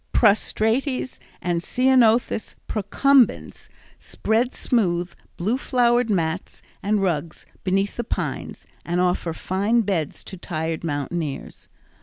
prostrates_ and C. procumbens, spread smooth, blue flowered mats and rugs beneath the pines, and offer fine beds to tired mountaineers.